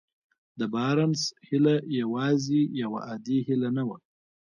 د بارنس هيله يوازې يوه عادي هيله نه وه.